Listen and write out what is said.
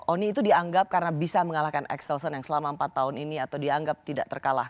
oni itu dianggap karena bisa mengalahkan axelsen yang selama empat tahun ini atau dianggap tidak terkalah